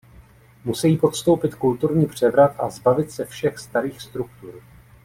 Musejí podstoupit kulturní převrat a zbavit se všech starých struktur.